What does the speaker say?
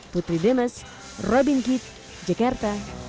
putri demas robin kitt jekart